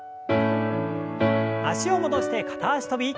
脚を戻して片脚跳び。